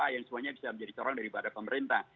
yang semuanya bisa menjadi corong daripada pemerintah